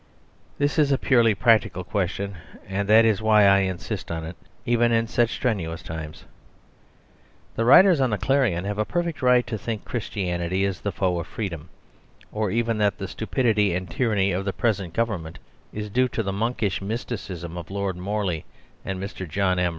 This is a purely practical question; and that is why I insist on it, even in such strenuous times. The writers on the "Clarion" have a perfect right to think Christianity is the foe of freedom, or even that the stupidity and tyranny of the present Government is due to the monkish mysticism of Lord Morley and Mr. John M.